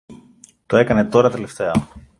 Τα έκανε τώρα τελευταία.